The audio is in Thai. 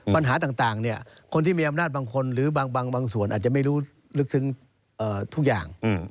ปัญหาต่างคนที่มีอำนาจบางคนหรือบางส่วนอาจจะไม่รู้ลึกซึ้งทุกอย่าง